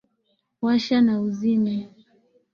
Washa na uzime.